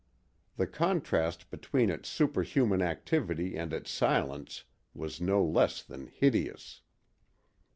The contrast between its superhuman activity and its silence was no less than hideous!